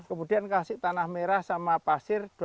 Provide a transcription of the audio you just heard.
kemudian kasih tanah merah sama pasir